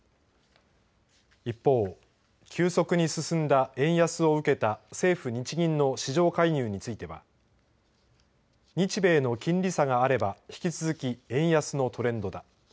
一方、急速に進んだ円安を受けた政府・日銀の市場介入については日米の金利差があれば、引き続き円安のトレンドだ。